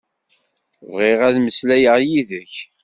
Bɣiɣ ad mmeslayeɣ yid-k.